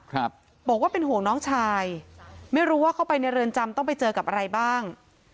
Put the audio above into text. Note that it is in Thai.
ครับบอกว่าเป็นห่วงน้องชายไม่รู้ว่าเข้าไปในเรือนจำต้องไปเจอกับอะไรบ้าง